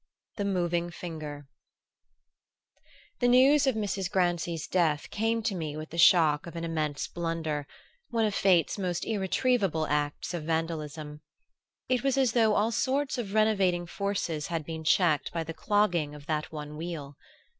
THE MOVING FINGER The news of Mrs. Grancy's death came to me with the shock of an immense blunder one of fate's most irretrievable acts of vandalism. It was as though all sorts of renovating forces had been checked by the clogging of that one wheel.